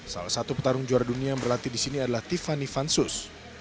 salah satu petarung juara dunia yang berlatih di sini adalah tiffany vansus